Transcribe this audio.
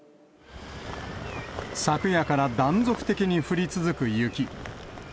昨夜から断続的に降り続く雪。